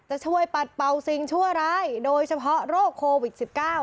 จะช่วยปัดเป่าสิ่งชั่วร้ายโดยเฉพาะโรคโควิด๑๙